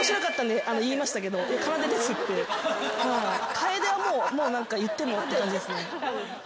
「かえで」は言ってもって感じですね。